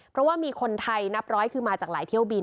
เพราะว่ามีคนไทยนับร้อยคือมาจากหลายเที่ยวบิน